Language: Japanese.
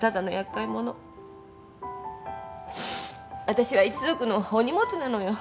あたしは一族のお荷物なのよ。